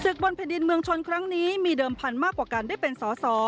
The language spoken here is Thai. บนแผ่นดินเมืองชนครั้งนี้มีเดิมพันธุ์มากกว่าการได้เป็นสอสอ